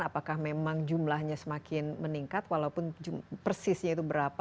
apakah memang jumlahnya semakin meningkat walaupun persisnya itu berapa